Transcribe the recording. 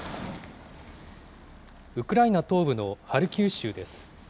ウクライナ東部のハルキウ州です。